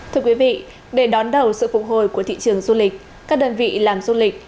thưa quý vị để đón đầu sự phục hồi của thị trường du lịch các đơn vị làm du lịch